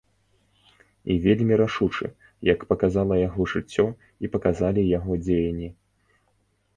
І вельмі рашучы, як паказала яго жыццё і паказалі яго дзеянні.